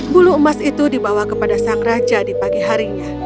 bulu emas itu dibawa kepada sang raja di pagi harinya